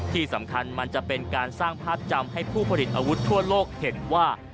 ที่สำคัญมันจะเป็นการสร้างภาพจำให้ผู้ผลิตอาวุธทั่วโลกเห็นว่า